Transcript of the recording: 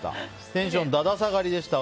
テンション、だだ下がりでした。